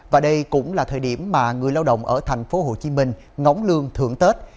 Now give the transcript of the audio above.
và đây cũng là thời điểm mà người lao động ở tp hcm ngóng lương thưởng tết